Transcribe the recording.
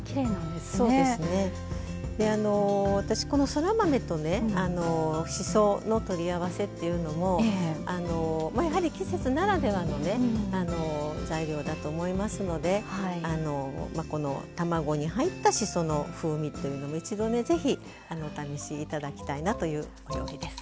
であの私このそら豆とねしその取り合わせっていうのもまあやはり季節ならではのね材料だと思いますのであのこの卵に入ったしその風味というの一度ね是非お試し頂きたいなというお料理です。